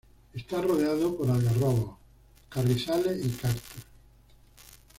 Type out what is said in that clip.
Esta rodeado por algarrobos, carrizales y cactus.